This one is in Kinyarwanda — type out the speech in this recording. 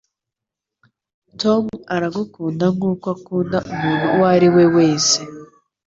Tom aragukunda nkuko akunda umuntu uwo ari we wese.